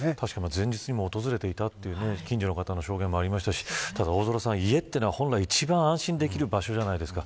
前日にも訪れていたという近所の方の証言もありましたし大空さん、家というのは本来、一番安心できる場所じゃないですか。